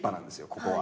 ここは。